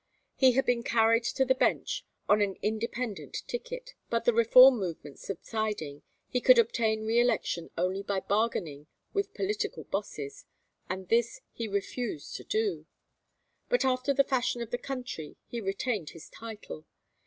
He had been carried to the bench on an independent ticket, but the reform movement subsiding, he could obtain re election only by bargaining with political bosses, and this he refused to do; but after the fashion of the country he retained his title.